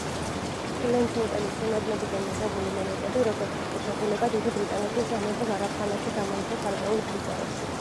სპილენძ-ნიკელის შენადნობიდან მიღებული მონეტები, როგორც მტკიცებულება დიდი ბრიტანეთის სამეფო ზარაფხანაში, გამოიცა ცალკეულ ბლისტერებში.